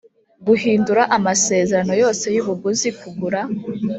guhindura amasezerano yose y ubuguzi kugura